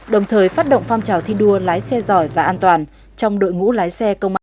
đồng thời phát động phong trào thi đua lái xe giỏi và an toàn trong đội ngũ lái xe công an